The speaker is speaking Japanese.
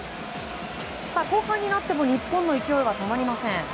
後半になっても日本の勢いは止まりません。